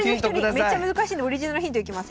めっちゃ難しいんでオリジナルヒントいきます。